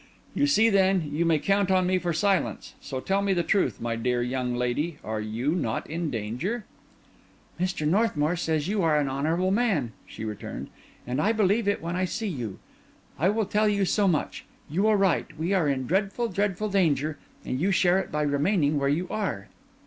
You see, then, you may count on me for silence. So tell me the truth, my dear young lady, are you not in danger?" "Mr. Northmour says you are an honourable man," she returned, "and I believe it when I see you. I will tell you so much; you are right; we are in dreadful, dreadful danger, and you share it by remaining where you are."